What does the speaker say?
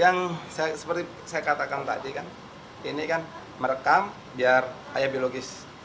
yang seperti saya katakan tadi kan ini kan merekam biar ayah biologis